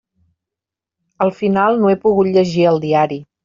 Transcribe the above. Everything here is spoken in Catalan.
Al final no he pogut llegir el diari.